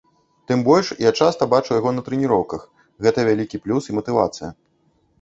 Тым больш, я часта бачу яго на трэніроўках, гэта вялікі плюс і матывацыя.